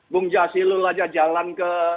bung jasilul aja jalan ke